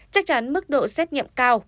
chắc chắn mức độ xét nghiệm cao